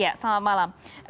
ya selamat malam